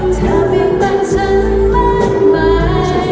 เธอไม่แปลกฉันมากมาย